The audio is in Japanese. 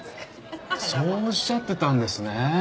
そうおっしゃってたんですね。